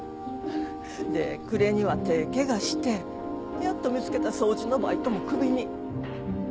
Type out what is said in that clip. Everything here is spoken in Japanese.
で暮れには手ぇ怪我してやっと見つけた掃除のバイトもクビに。